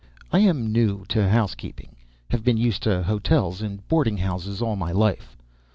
I am new to housekeeping; have been used to hotels and boarding houses all my life.